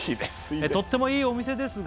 「とってもいいお店ですが」